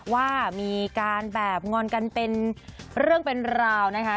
ว่ามีการแบบงอนกันเป็นเรื่องเป็นราวนะคะ